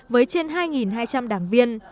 với trên hai hai trăm linh đảng viên